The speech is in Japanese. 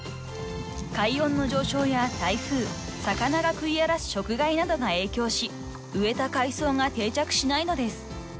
［海温の上昇や台風魚が食い荒らす食害などが影響し植えた海藻が定着しないのです］